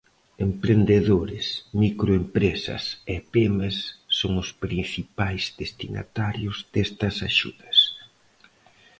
Emprendedores, microempresas e pemes son os principais destinatarios destas axudas.